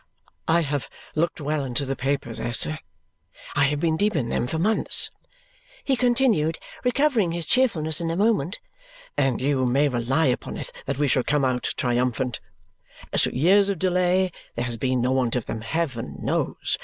"I have looked well into the papers, Esther. I have been deep in them for months," he continued, recovering his cheerfulness in a moment, "and you may rely upon it that we shall come out triumphant. As to years of delay, there has been no want of them, heaven knows!